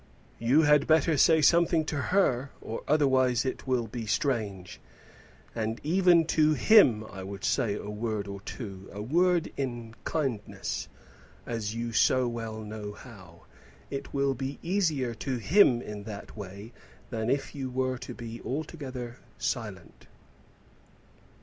"You had better say something to her, or otherwise it will be strange; and even to him I would say a word or two, a word in kindness, as you so well know how. It will be easier to him in that way, than if you were to be altogether silent."